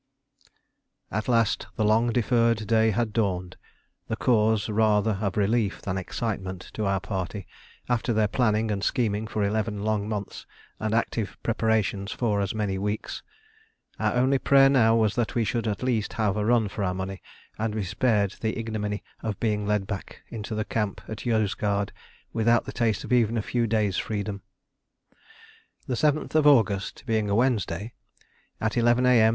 At last the long deferred day had dawned the cause rather of relief than excitement to our party, after their planning and scheming for eleven long months and active preparations for as many weeks. Our only prayer now was that we should at least have a run for our money, and be spared the ignominy of being led back into the camp at Yozgad without the taste of even a few days freedom. The 7th August being a Wednesday, at 11 A.M.